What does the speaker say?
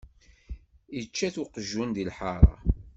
Ičča-t uqjun di lḥara.